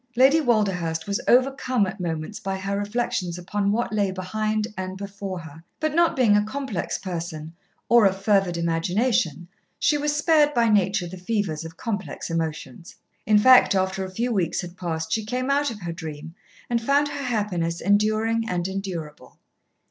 Lady Walderhurst was overcome at moments by her reflections upon what lay behind and before her, but not being a complex person or of fervid imagination, she was spared by nature the fevers of complex emotions. In fact, after a few weeks had passed she came out of her dream and found her happiness enduring and endurable.